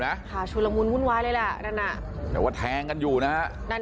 มั้ยค่ะชุลมูลวุ่นวายเลยล่ะนั่นน่ะแต่ว่าแทงกันอยู่นะ